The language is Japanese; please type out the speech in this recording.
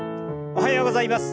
おはようございます。